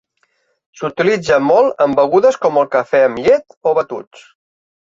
S'utilitza molt en begudes com el cafè amb llet o batuts.